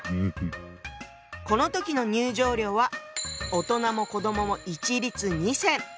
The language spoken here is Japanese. この時の入場料は大人も子どもも一律２銭。